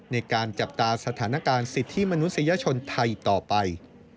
ในการจับตาสถานการณ์สิทธิมนุษยชนไทยต่อไป